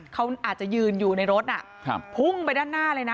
เขาอาจจะยืนอยู่ในรถพุ่งไปด้านหน้าเลยนะ